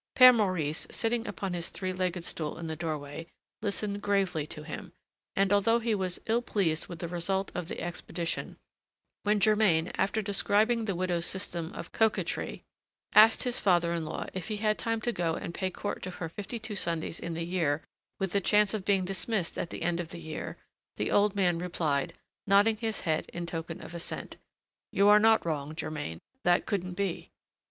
Père Maurice, sitting upon his three legged stool in the doorway, listened gravely to him, and, although he was ill pleased with the result of the expedition, when Germain, after describing the widow's system of coquetry, asked his father in law if he had time to go and pay court to her fifty two Sundays in the year with the chance of being dismissed at the end of the year, the old man replied, nodding his head in token of assent: "You are not wrong, Germain; that couldn't be."